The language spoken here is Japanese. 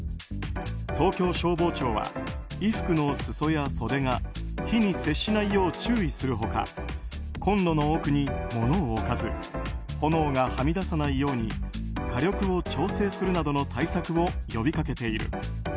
東京消防庁は、衣服の裾や袖が火に接しないよう注意する他コンロの奥に物を置かず炎がはみ出さないように火力を調整するなどの対策を呼び掛けている。